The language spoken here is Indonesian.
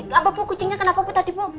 kenapa bu kucingnya kenapa bu tadi bu